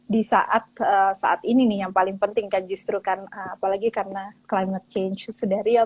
di saat saat ini nih yang paling penting kan justru kan apalagi karena climate change sudah real